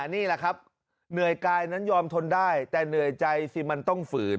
นี่แหละครับเหนื่อยกายนั้นยอมทนได้แต่เหนื่อยใจสิมันต้องฝืน